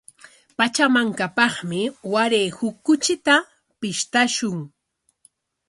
Pachamankapaqmi waray huk kuchita pishqashun.